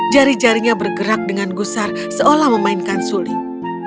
jari jarinya bergerak dengan gusar seolah memainkan suling